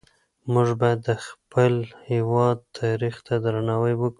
موږ باید د خپل هېواد تاریخ ته درناوی وکړو.